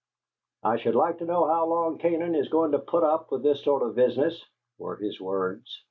'I should like to know how long Canaan is going to put up with this sort of business,' were his words.